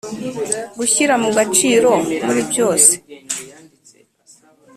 gushyira mu gaciro muri byose